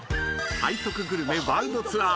［背徳グルメワールドツアー